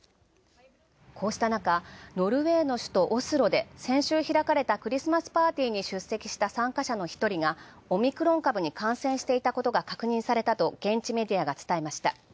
こうしたなか、ノルウェーの首都オスロで先週開かれた、クリスマスパーティーに出席した参加者の１人がオミクロン株に感染したことが確認されたと現地メディアが伝えました。